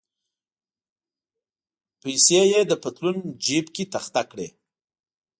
یې پیسې د پتلون جیب کې تخته کړې.